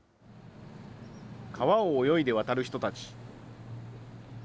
川を泳いで渡る人たち。